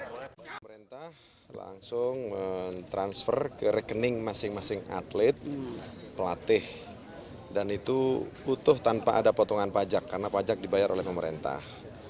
pemerintah langsung mentransfer ke rekening masing masing atlet pelatih dan itu utuh tanpa ada potongan pajak karena pajak dibayar oleh pemerintah